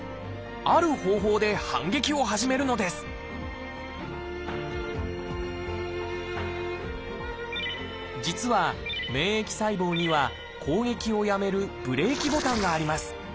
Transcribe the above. ある方法で反撃を始めるのです実は免疫細胞には攻撃をやめるブレーキボタンがあります。